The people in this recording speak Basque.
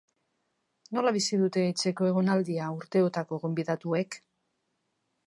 Nola bizi dute etxeko egonaldia urteotako gonbidatuek?